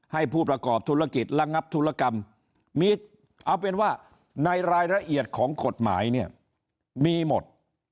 ให้ผู้ประกอบธุรกิจระงับธุรกรรมมีเอาเป็นว่าในรายละเอียดของกฎหมายเนี่ยมีหมด